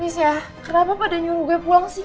wis ya kenapa pada nyuruh gue pulang sih